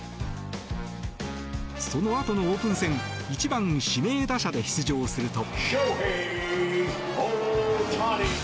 そのあとのオープン戦１番指名打者で出場すると。